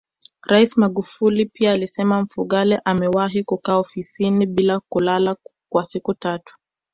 Rais Magufuli pia alisema Mfugale amewahi kukaa ofisini bila kulala kwa siku tatu